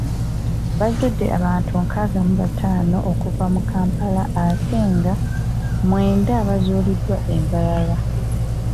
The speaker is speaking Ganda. Bazudde abantu nkaaga mu bataano okuva mu Kampala, ate nga mwenda baazuuliddwa e Mbarara.